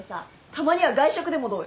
たまには外食でもどう？